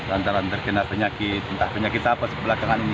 lantaran terkena penyakit entah penyakit apa sebelah kanan ini